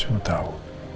saya gak tau